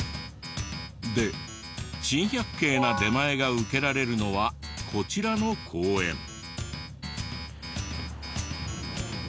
で珍百景な出前が受けられるのはこちらの公園。